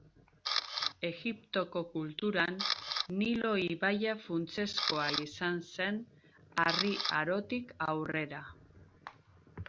Egiptoko kulturan Nilo ibaia funtsezkoa izan zen Harri Arotik aurrera.